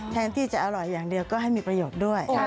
แทนที่จะอร่อยอย่างเดียวก็ให้มีประโยชน์ด้วย